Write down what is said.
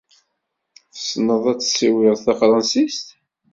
Tessneḍ ad tessiwleḍ tafṛensist?